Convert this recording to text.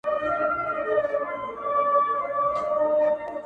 څنگه دي د زړه سيند ته غوټه سمه ـ